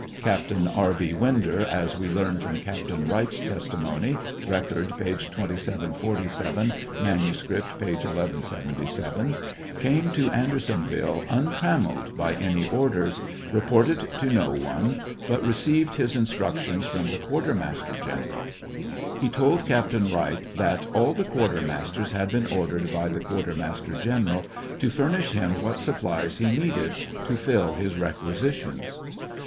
Captain R. B. Winder, as we learn from Captain Wright's testimony, (Record, p. 2747; manuscript, p. 1177,) came to Andersonville untrammelled by any orders, reported to no one, but received his instructions from, the quartermaster general. He told Captain Wright that "all the quartermasters had been ordered by the quartermaster generalto furnish him what supplies he needed to fill his requisitions."